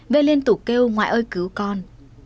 vê liên tục kêu ngoại ơi cứu con